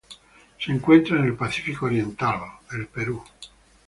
Se encuentra en el Pacífico oriental: el Perú.